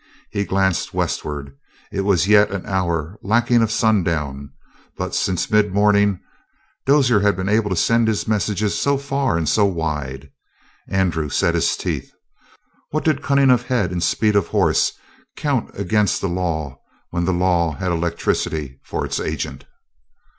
He glanced westward. It was yet an hour lacking of sundown, but since mid morning Dozier had been able to send his messages so far and so wide. Andrew set his teeth. What did cunning of head and speed of horse count against the law when the law had electricity for its agent?